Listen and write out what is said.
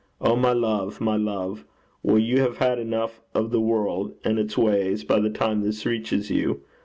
Oh! my love, my love! will you have had enough of the world and its ways by the time this reaches you?